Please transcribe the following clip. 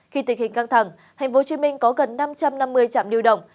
khi tình hình căng thẳng tp hcm có gần năm trăm năm mươi trạm lưu động